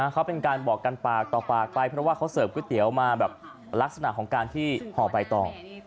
เขาเป็นการบอกกันปากต่อปากไปเพราะว่าเขาเสิร์ฟก๋วยเตี๋ยวมาแบบลักษณะของการที่ห่อใบตอง